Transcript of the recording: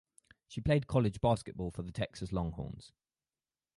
She played college basketball for the Texas Longhorns.